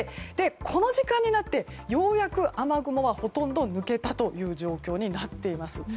この時間になってようやく雨雲がほとんど抜けたという状況になっています。